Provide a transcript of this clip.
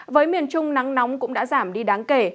với miền trung nắng nóng cũng đã giảm đi đáng kể